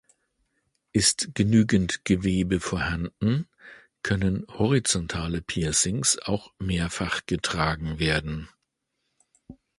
Ist genügend Gewebe vorhanden, können horizontale Piercings auch mehrfach getragen werden.